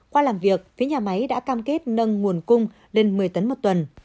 qua làm việc phía nhà máy đã cam kết nâng nguồn cung lên một mươi tấn một tuần